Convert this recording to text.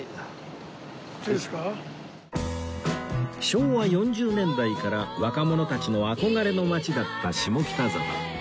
昭和４０年代から若者たちの憧れの街だった下北沢